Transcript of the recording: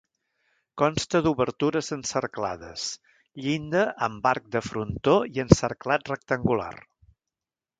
Consta d'obertures encerclades, llinda amb arc de frontó i encerclat rectangular.